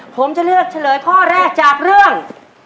ผมจะเลือกเฉลยข้อแรกจากเรื่อง